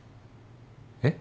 えっ？